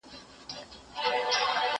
زه به سبا کتابتون ته ولاړم،